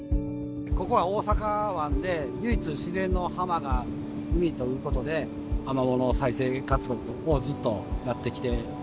ここは大阪湾で唯一自然の浜が海ということでアマモの再生活動をずっとやってきております。